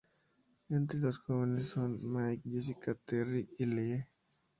Entre los jóvenes son: Mike, Jessica, Terry y Leah.